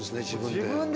自分で。